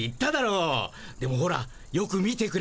でもほらよく見てくれよ。